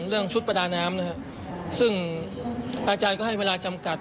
เรื่องชุดประดาน้ำนะครับซึ่งอาจารย์ก็ให้เวลาจำกัด